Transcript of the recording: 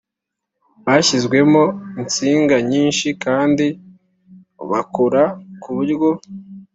Bashyizemo insinga nyinshi kandi bakora ku buryo